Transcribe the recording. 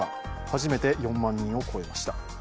初めて４万人を超えました。